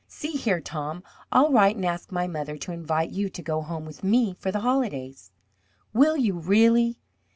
"See here, Tom, I'll write and ask my mother to invite you to go home with me for the holidays." "Will you really?"